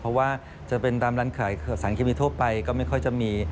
เพราะว่าจะเป็นตามร้านขายสารเคมีทั่วไปก็ไม่ค่อยจะมี